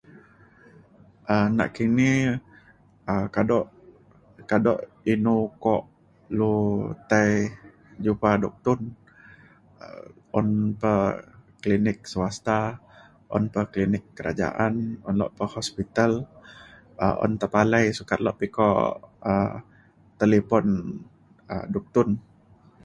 um nakini um kado kado inu ukok lu tai jupa duktun um un pa klinik swasta un pa klinik kerajaan un lok pa hospital. um un tepalai sukat lok pa iko um talipon um duktun